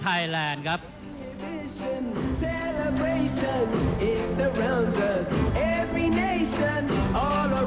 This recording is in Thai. ท่านแรกครับจันทรุ่ม